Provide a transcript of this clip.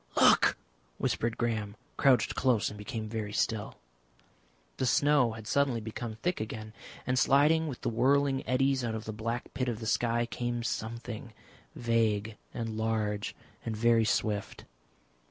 "Look!" whispered Graham, crouched close, and became very still. The snow had suddenly become thick again, and sliding with the whirling eddies out of the black pit of the sky came something, vague and large and very swift.